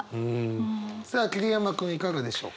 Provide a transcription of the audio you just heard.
さあ桐山君いかがでしょうか？